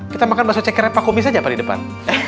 kita makan bakso cekerepah kumis aja apa di depan